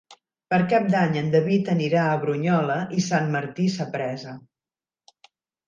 Per Cap d'Any en David anirà a Brunyola i Sant Martí Sapresa.